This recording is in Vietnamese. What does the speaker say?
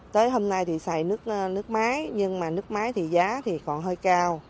tới hôm nay thì xài nước nước máy nhưng mà nước máy thì giá thì còn hơi cao